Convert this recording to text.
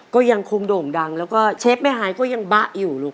ก็ยังคงโด่งดังแล้วก็เชฟแม่หายก็ยังบะอยู่ลูก